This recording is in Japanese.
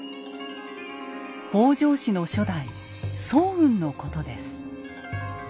北条氏の初代早雲のことです。